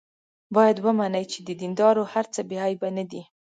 باید ومني چې د دیندارو هر څه بې عیبه نه دي.